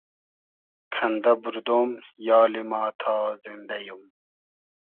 کئندۂ بوردۉم یالی ما تا زیندۂ یوم